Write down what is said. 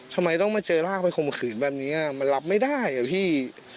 ทำไมต้องมาเจอร่างไปข่มขืนแบบนี้มันรับไม่ได้อะพี่